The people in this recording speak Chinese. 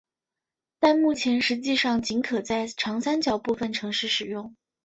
但目前实际上仅可在长三角部分城市使用。